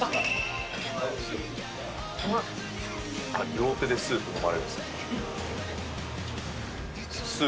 両手でスープ飲まれるんですね。